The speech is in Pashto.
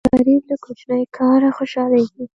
غریب له کوچني کاره خوشاليږي